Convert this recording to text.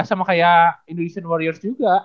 sama kayak indonesian warriors juga